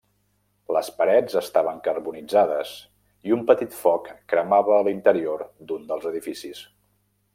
Les parets estaven carbonitzades i un petit foc cremava a l'interior d'un dels edificis.